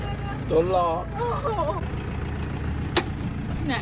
กินข้าวขอบคุณครับ